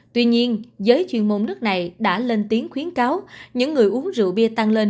tuy nhiên giới chuyên môn nước này đã lên tiếng khuyến cáo những người uống rượu bia tăng lên